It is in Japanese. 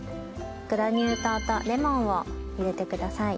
グラニュー糖とレモンを入れてください。